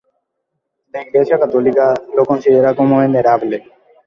La Iglesia católica lo considera como venerable.